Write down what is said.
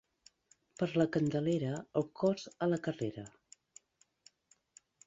Per la Candelera, el cos a la carrera.